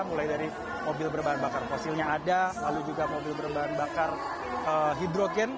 seperti mobil berbahan bakar fosilnya ada lalu juga mobil berbahan bakar hidrogen